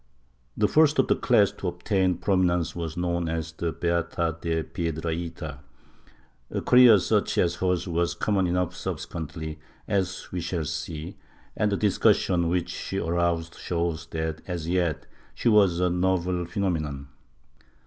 The first of the class to ol^tain prominence was known as the Beata de Piedrahita. A career such as hers was common enough subsequently, as we shall see, and the discussion which she aroused shows that as yet she was a novel phenomenon.